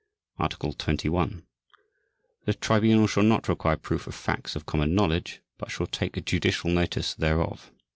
Article 21. The Tribunal shall not require proof of facts of common knowledge but shall take judicial notice thereof.